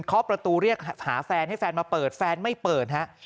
ประตูเรียกหาแฟนให้แฟนมาเปิดแฟนไม่เปิดฮะ